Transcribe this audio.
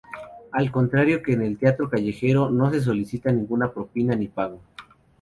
Al contrario que en el teatro callejero no se solicita ninguna propina ni pago.